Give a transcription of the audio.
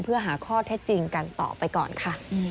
เพื่อหาข้อเท็จจริงกันต่อไปก่อนค่ะ